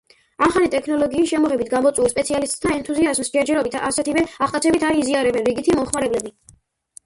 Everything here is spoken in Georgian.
ახალი ტექნოლოგიის შემოღებით გამოწვეულ სპეციალისტთა ენთუზიაზმს ჯერჯერობით ასეთივე აღტაცებით არ იზიარებენ რიგითი მომხმარებლები.